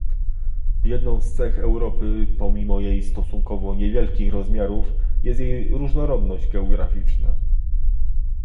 Jedną z cech Europy, pomimo jej stosunkowo niewielkich rozmiarów, jest jej różnorodność geograficzna